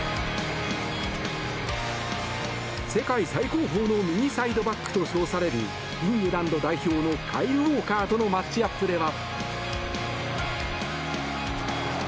世界最高峰の右サイドバックと称されるイングランド代表のカイル・ウォーカーとのマッチアップでは。